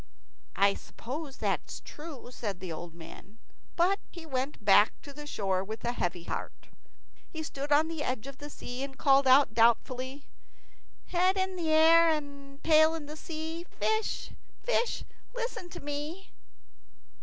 "I suppose that is true," says the old man; but he went back to the shore with a heavy heart. He stood on the edge of the sea and called out, doubtfully, "Head in air and tail in sea, Fish, fish, listen to me."